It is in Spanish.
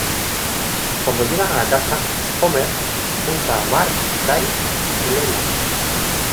Cuando llegan a la casa, Homer junta a Marge, Fry y Leela.